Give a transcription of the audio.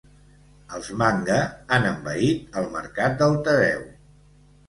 Els Manga han envaït el mercat del tebeo.